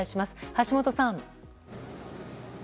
橋本さん。